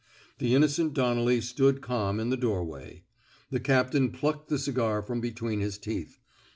The innocent Donnelly stood calm in the doorway. The captain plucked the cigar from between his teeth.